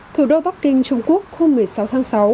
thủ đô bắc kinh trung quốc hôm một mươi sáu tháng sáu